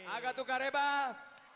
aga tukar rebah